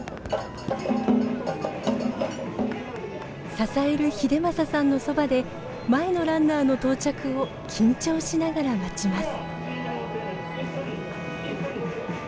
支える英政さんのそばで前のランナーの到着を緊張しながら待ちます。